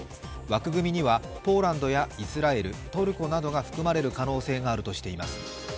枠組みにはポーランドやイスラエル、トルコなどが含まれる可能性があるとしています。